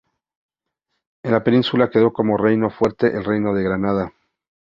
En la península quedó como reino fuerte el reino de Granada.